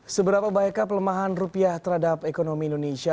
seberapa baikkah pelemahan rupiah terhadap ekonomi indonesia